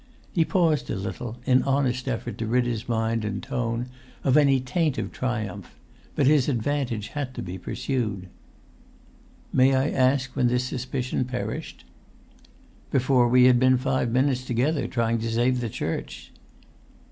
He paused a little, in honest effort to rid his mind and tone of any taint of triumph; but his advantage had to be pursued. "May I ask when this suspicion perished?" "Before we had been five minutes together, trying to save the church!"